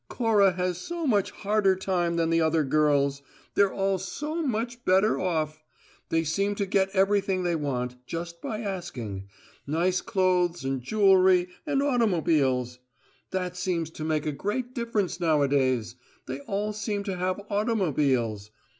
"Cora has so much harder time than the other girls; they're all so much better off. They seem to get everything they want, just by asking: nice clothes and jewellery and automobiles. That seems to make a great difference nowadays; they all seem to have automobiles.